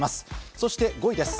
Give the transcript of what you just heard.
そして５位です。